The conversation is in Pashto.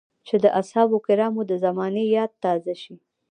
چې د اصحابو کرامو د زمانې ياد تازه شي.